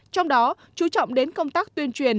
trong đó chú trọng đến công tác tuyên truyền